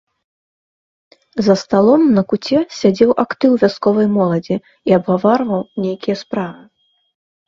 За сталом на куце сядзеў актыў вясковай моладзі і абгаварваў нейкія справы.